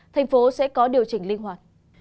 thành phố sẽ có điều chỉnh linh hoạt